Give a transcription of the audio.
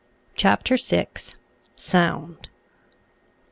CHAPTER VI. SOUND.